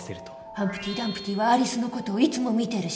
ハンプティ・ダンプティはアリスの事をいつも見てるし。